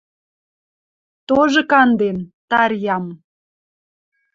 Тоже канден — Тарьям.